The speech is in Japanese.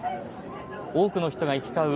多くの人が行き交う